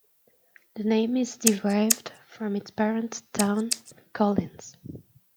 The name is derived from its parent town, Collins.